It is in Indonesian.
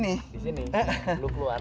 di sini lo keluar